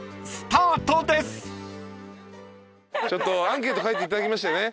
アンケート書いていただきましたよね？